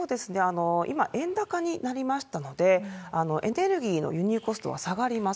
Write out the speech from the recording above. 今、円高になりましたので、エネルギーの輸入コストは下がります。